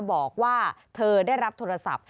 บอกว่าเธอได้รับโทรศัพท์